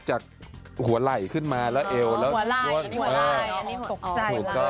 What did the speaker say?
หัวไหล่ขึ้นมาแล้ว๒๕บาท